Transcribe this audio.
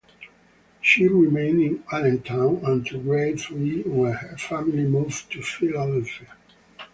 She remained in Allentown until grade three when her family moved to Philadelphia.